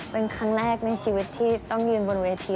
เป็นครั้งแรกในชีวิตที่ต้องยืนบนเวที